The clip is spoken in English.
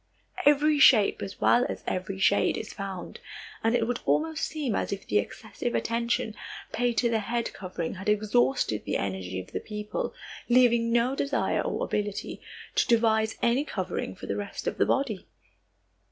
Every shape as well as every shade is found, and it would almost seem as if the excessive attention paid to the head covering had exhausted the energy of the people, leaving no desire or ability to devise any covering for the rest of the body.